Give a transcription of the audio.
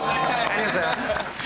ありがとうございます。